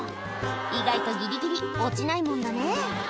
意外とギリギリ落ちないもんだね